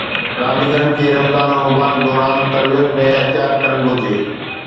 رانديگرن کي رمضان المبارڪ دوران تربيت ۾ احتياط ڪرڻ گهرجي